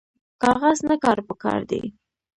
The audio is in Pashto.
کاغذ نه کار پکار دی